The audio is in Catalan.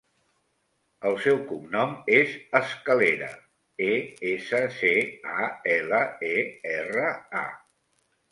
El seu cognom és Escalera: e, essa, ce, a, ela, e, erra, a.